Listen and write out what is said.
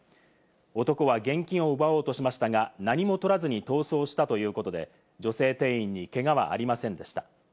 男は現金を奪おうとしましたが、何も取らずに逃走したということで、女性店員にけがはありませんでした。